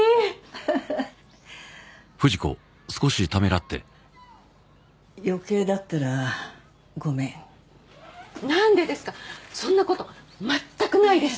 ふふっ余計だったらごめんなんでですかそんなこと全くないです！